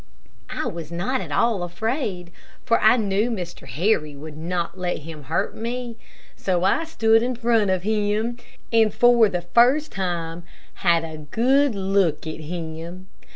I was not at all afraid, for I knew Mr, Harry would not let him hurt me, so I stood in front of him, and for the first time had a good look at him.